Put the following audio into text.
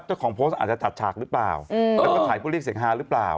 เจ้าของโพสต์อาจจะจัดฉากรึเปล่า